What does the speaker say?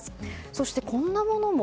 そして、こんなものも。